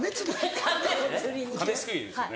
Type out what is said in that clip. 亀すくいですよね。